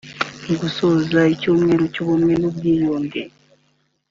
Mu gusoza icyumweru cy’Ubumwe n’Ubwiyunge